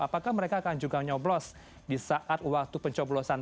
apakah mereka akan juga nyoblos di saat waktu pencoblosan